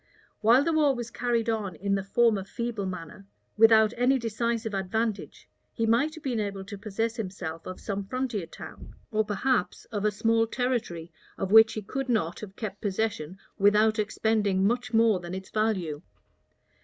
While the war was carried on in the former feeble manner, without any decisive advantage, he might have been able to possess himself of some frontier town, or perhaps of a small territory, of which he could not. have kept possession without expending much more than its value.